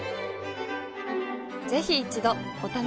ぜひ一度お試しを。